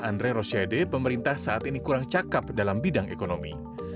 andre rosiade pemerintah saat ini kurang cakap dalam bidang ekonomi